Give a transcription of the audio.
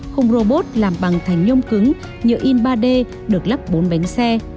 khung robot làm bằng thành nhôm cứng nhựa in ba d được lắp bốn bánh xe